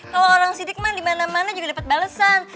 kalo orang sidik mah dimana mana juga dapet balesan